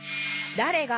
「だれが」